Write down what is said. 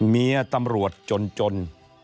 เมียตำรวจจน